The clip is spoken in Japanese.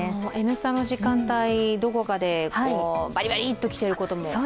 「Ｎスタ」の時間帯、どこかでバリバリっときているところも。